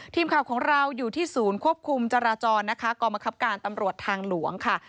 ทีมข่าวของเราอยู่ที่ศูนย์ควบคุมจราจรนะคะกรมคับการตำรวจทางหลวงค่ะ